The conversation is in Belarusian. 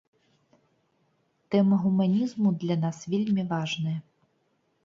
Тэма гуманізму для нас вельмі важная.